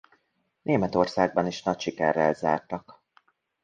Németországban is nagy sikerrel zártak.